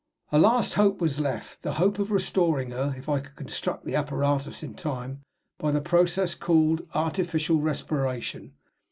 A last hope was left the hope of restoring her (if I could construct the apparatus in time) by the process called "artificial respiration."